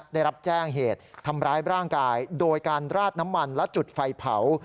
ได้รับแจ้งเหตุทำร้ายร่างกายโดยการราดน้ำมันและจุดไฟเผา